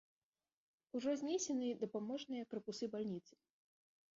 Ужо знесены дапаможныя карпусы бальніцы.